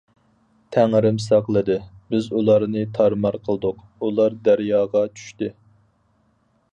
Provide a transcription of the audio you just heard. تەڭرىم ساقلىدى، بىز ئۇلارنى تارمار قىلدۇق، ئۇلار دەرياغا چۈشتى.